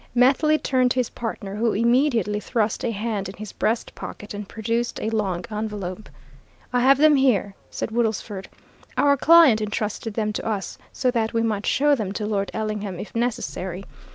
Methley turned to his partner, who immediately thrust a hand in his breastpocket and produced a long envelope. "I have them here," said Woodlesford. "Our client intrusted them to us so that we might show them to Lord Ellingham, if necessary.